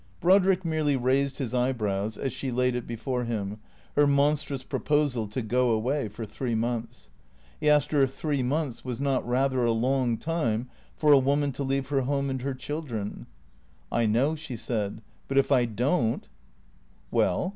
Brodrick merely raised his eyebrows as she laid it before him •— her monstrous proposal to go away — for three months. He asked her if three months was not rather a long time for a woman to leave her home and her children? "I know," she said, "but if I don't " "Well?"